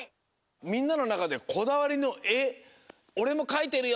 みんなのなかでこだわりのえおれもかいてるよ